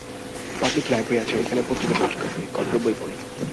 Public library আছে, ঐখানে পত্রিকাটত্রিকা পড়ি, গল্পের বই পড়ি।